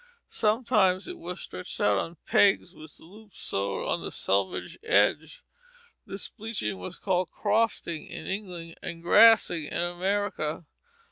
Sometimes it was stretched out on pegs with loops sewed on the selvage edge. This bleaching was called crofting in England, and grassing in America.